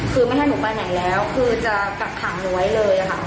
คือไม่ให้หนูไปไหนแล้วคือจะกักขังหนูไว้เลยค่ะ